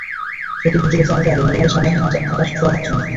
সেটি ঘুচে গেছে অনেক আগেই, নেইমারের সামনে এখন আকাশ ছোঁয়ার হাতছানি।